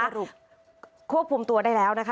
สรุปควบคุมตัวได้แล้วนะคะ